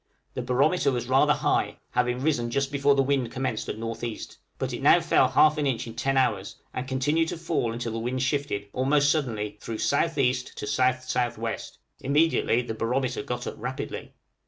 The barometer was rather high, having risen just before the wind commenced at N.E.; but it now fell half an inch in ten hours, and continued to fall until the wind shifted almost suddenly through S.E. to S.S.W.; immediately the barometer got up rapidly.